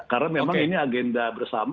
karena memang ini agenda bersama